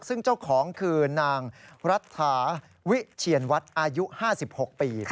ซึ่งเจ้าของคือนางรัฐาวิเชียนวัดอายุ๕๖ปี